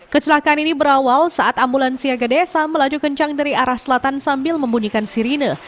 kecelakaan ini berawal saat ambulansi aga desa melaju kencang dari arah selatan sambil membunyikan sirine